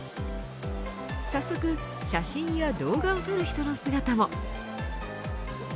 早速、写真や動画を撮る人の姿も。